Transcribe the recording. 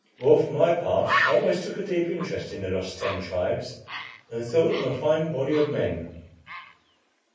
Well, for my part, I always took a deep interest in the lost Ten Tribes, and thought them a fine body of men."